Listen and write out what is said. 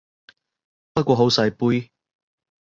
不過好細杯